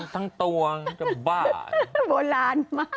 ทั้งตัวมันจะบ้า